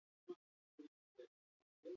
Norberaren gogoko ez den lagunaz ezkontzea.